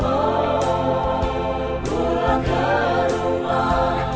oh pulang ke rumah